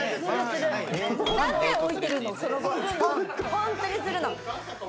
本当にするの。